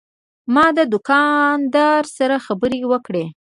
ما د دوکاندار سره خبرې وکړې.